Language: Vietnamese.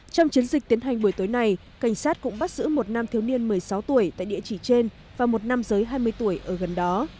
trong chiến dịch tiến hành buổi tối này cảnh sát cũng bắt giữ một nam thiếu niên một mươi sáu tuổi tại địa chỉ trên và một nam giới hai mươi tuổi ở gần đó